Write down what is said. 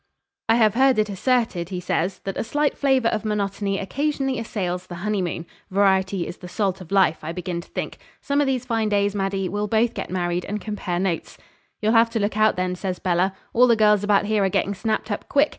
'I have heard it asserted,' he says, 'that a slight flavour of monotony occasionally assails the honeymoon. Variety is the salt of life, I begin to think. Some of these fine days, Maddie, we'll both get married and compare notes.' 'You'll have to look out, then,' says Bella. 'All the girls about here are getting snapped up quick.